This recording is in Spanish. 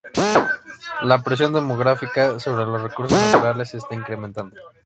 La presión demográfica sobre los recursos naturales se está incrementando.